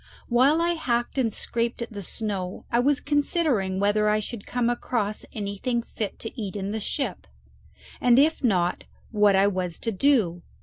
While I hacked and scraped at the snow I was considering whether I should come across anything fit to eat in the ship, and if not what I was to do.